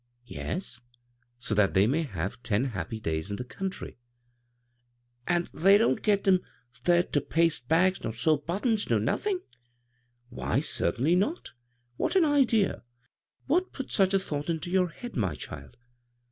"" Yes ; so that they may have ten iiappy days in the ountry." "An' the> don't get 'em there ter paste bags nor sew buttons, nor nothin' ?" "Why, certainly not! What an idea! What put such a thought into your head, my child?"